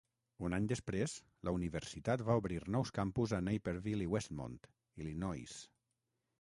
Un any després, la universitat va obrir nous campus a Naperville i Westmont, Illinois.